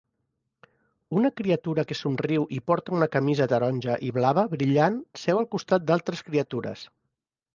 Una criatura que somriu i porta una camisa taronja i blava brillant seu al costat d'altres criatures.